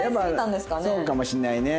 そうかもしれないね。